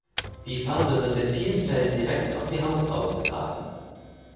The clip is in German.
Die Farbe wird in vielen Fällen direkt auf die Haut aufgetragen.